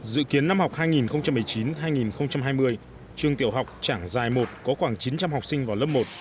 dự kiến năm học hai nghìn một mươi chín hai nghìn hai mươi trường tiểu học chẳng dài một có khoảng chín trăm linh học sinh vào lớp một